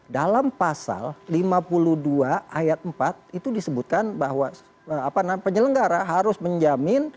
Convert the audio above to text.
dalam pasal lima puluh dua ayat empat itu disebutkan bahwa penyelenggara harus menjamin